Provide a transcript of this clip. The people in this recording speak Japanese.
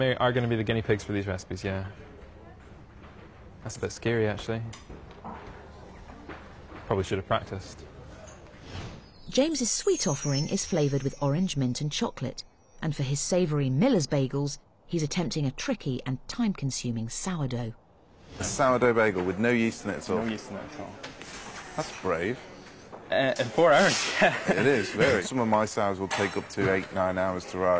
はい。